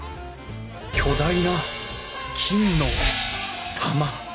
巨大な金の玉。